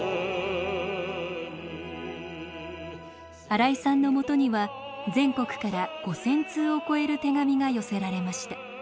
新井さんのもとには全国から５，０００通を超える手紙が寄せられました。